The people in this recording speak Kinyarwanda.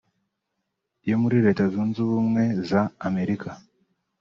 yo muri Leta Zunze Ubumwe za Amerika